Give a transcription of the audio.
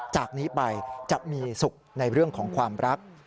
จากนี้ไปจะมีสุขในเรื่องของความรัก